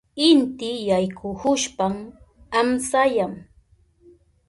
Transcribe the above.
Inti yaykuhushpan amsayan.